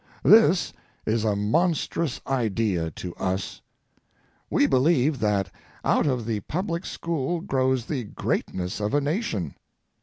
This is a monstrous idea to us. We believe that out of the public school grows the greatness of a nation.